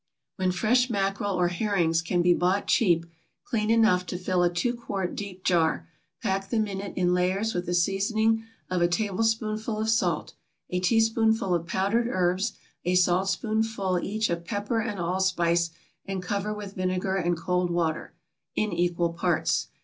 = When fresh mackerel or herrings can be bought cheap, clean enough to fill a two quart deep jar, pack them in it in layers with a seasoning of a tablespoonful of salt, a teaspoonful of powdered herbs a saltspoonful each of pepper and allspice, and cover with vinegar and cold water, in equal parts.